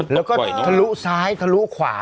แล้วก็ทะลุซ้ายทะลุขวา